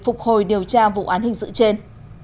phục hồi điều tra vụ án hình sự trên